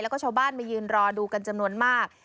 แล้วก็ชาวบ้านมายืนรอดูกันจำนวนมาก